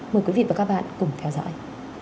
mời quý vị và các bạn cùng theo dõi